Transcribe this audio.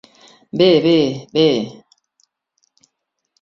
Bé, bé, bé!